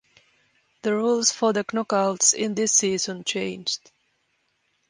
The rules for the Knockouts in this season changed.